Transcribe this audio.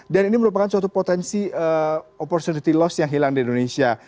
dan ini merupakan suatu potensi opportunity loss yang hilang di indonesia